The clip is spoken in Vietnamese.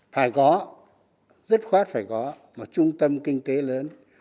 phải có rất khoát phải có một trung tâm kinh tế lớn